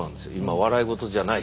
笑い事じゃないし。